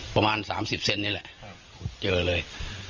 ประมาณสามสิบเซนต์นี่แหละเจอเลย